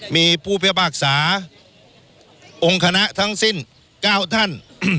มีผู้พิพากษาองค์คณะทั้งสิ้น๙ท่าน